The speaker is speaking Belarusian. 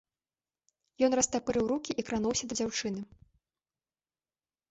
Ён растапырыў рукі і крануўся да дзяўчыны.